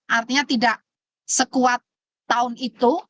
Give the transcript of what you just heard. artinya tidak sekuat tahun itu